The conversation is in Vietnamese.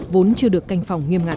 vốn chưa được canh phòng nghiêm ngặt